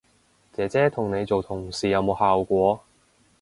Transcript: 姐姐同你做同事有冇效果